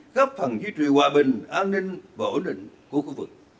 góp phần duy trì hòa bình an ninh và ổn định của khu vực